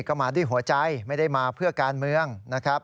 ก็มาด้วยหัวใจไม่ได้มาเพื่อการเมืองนะครับ